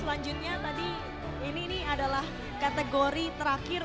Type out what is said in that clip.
selanjutnya tadi ini adalah kategori terakhir